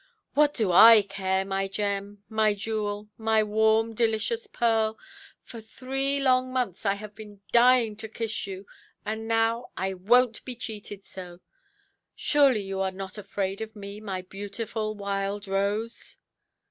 "What do I care, my gem, my jewel, my warm delicious pearl? For three long months I have been dying to kiss you; and now I wonʼt be cheated so. Surely you are not afraid of me, my beautiful wild rose"?